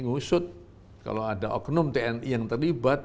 ngusut kalau ada oknum tni yang terlibat